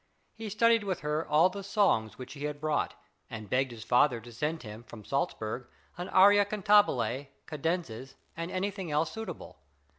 He studied with her all the songs which he had brought, and begged his father to send him from Salzburg "an aria cantabile, cadenzas, and anything else suitable."